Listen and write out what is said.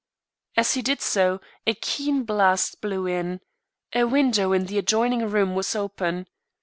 As he did so, a keen blast blew in; a window in the adjoining room was open.